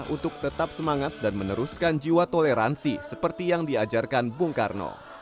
untuk tetap semangat dan meneruskan jiwa toleransi seperti yang diajarkan bung karno